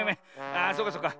ああそうかそうか。